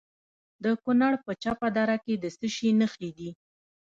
د کونړ په چپه دره کې د څه شي نښې دي؟